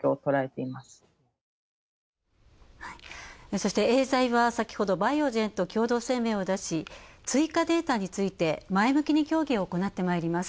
そして、エーザイは先ほどバイオジェンと共同声明を出し、追加データについて前向きに協議を行ってまいります。